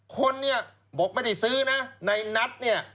คนบอกไม่ได้ซื้อนะในนัด